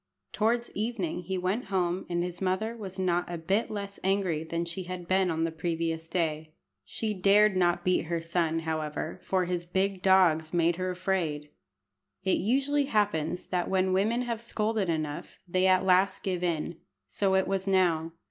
Towards evening he went home, and his mother was not a bit less angry than she had been on the previous day. She dared not beat her son, however, for his big dogs made her afraid. It usually happens that when women have scolded enough they at last give in. So it was now.